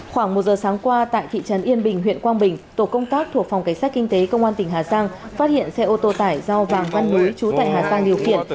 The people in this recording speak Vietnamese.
khoảng một giờ sáng qua tại thị trấn yên bình huyện quang bình tổ công tác thuộc phòng cảnh sát kinh tế công an tỉnh hà giang phát hiện xe ô tô tải do vàng văn núi chú tại hà giang điều khiển